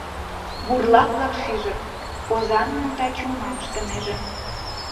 Бурлак-влак шижыт: оза нуным таче унам ыштынеже.